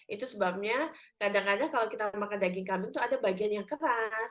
itu sebabnya kadang kadang kalau kita makan daging kambing itu ada bagian yang keras